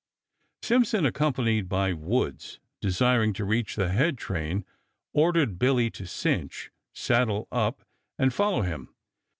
Simpson, accompanied by Woods, desiring to reach the head train, ordered Billy to "cinch" (saddle) up and follow him.